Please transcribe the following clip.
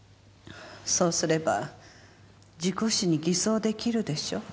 そうすれば事故死に偽装できるでしょ。